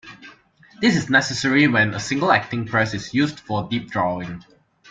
This is necessary when a single acting press is used for deep drawing.